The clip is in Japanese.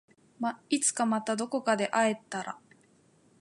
いつかまたどこかで会えたら